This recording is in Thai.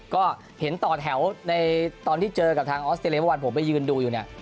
ก็เห็นต่อแถวในตอนที่เจอกับทางออสเตียเลเวอร์วันผมไปยืนดูอยู่